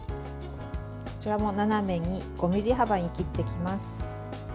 こちらも、斜めに５ｍｍ幅に切っていきます。